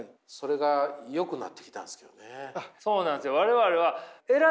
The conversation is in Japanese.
そうなんすよ。